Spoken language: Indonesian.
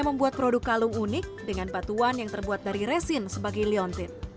membuat produk kalung unik dengan batuan yang terbuat dari resin sebagai liontin